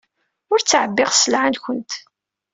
Ur ttɛebbiɣ sselɛa-nwent.